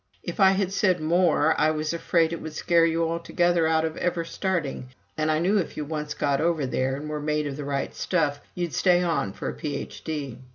"If I had said more, I was afraid it would scare you altogether out of ever starting; and I knew if you once got over there and were made of the right stuff, you'd stay on for a Ph.D."